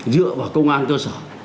dựa vào công an cơ sở